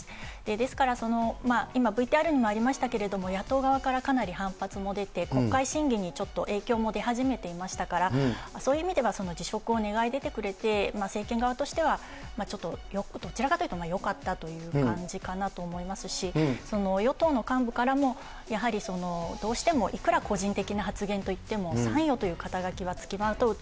ですから、今、ＶＴＲにもありましたけれども、野党側からかなり反発も出て、国会審議にちょっと影響も出始めていましたから、そういう意味では辞職を願い出てくれて、政権側としてはちょっと、どちらかというと、よかったっていう感じかなと思いますし、与党の幹部からも、やはりどうしてもいくら個人的な発言といっても、参与という肩書は付きまとうと。